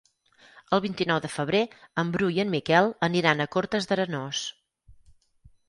El vint-i-nou de febrer en Bru i en Miquel aniran a Cortes d'Arenós.